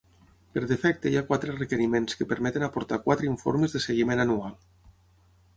Per defecte hi ha quatre requeriments que permeten aportar quatre informes de seguiment anual.